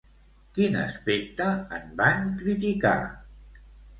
Quin aspecte en van criticar?